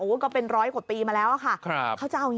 ก็เป็นร้อยกว่าปีมาแล้วค่ะ